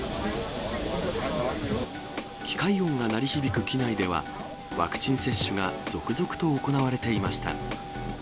機械音が鳴り響く機内では、ワクチン接種が続々と行われていました。